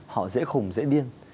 họ dễ khùng dễ điên